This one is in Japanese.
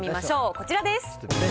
こちらです。